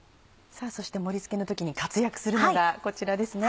そして盛りつけの時に活躍するのがこちらですね。